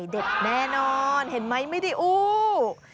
อร่อยเด็ดแน่นอนเห็นไหมไม่ได้อู้ววว